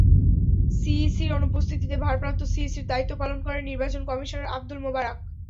সিইসির অনুপস্থিতিতে ভারপ্রাপ্ত সিইসির দায়িত্ব পালন করেন নির্বাচন কমিশনার আবদুল মোবারক।